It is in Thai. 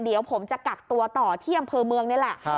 เดี๋ยวผมจะกักตัวต่อที่อำเภอเมืองนี่แหละ